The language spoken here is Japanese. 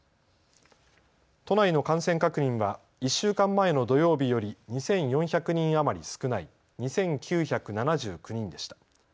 都内の感染確認は１週間前の土曜日より２４００人余り少ない２９７９人でした。